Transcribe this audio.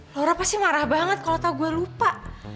lora pasti marah banget kalo tau gue lupa